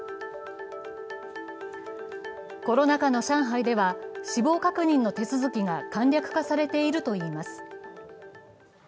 コロナ禍の上海では、死亡確認の手続きが簡略化されているといいます。